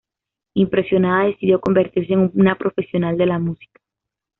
Impresionada, decidió convertirse en una profesional de la música.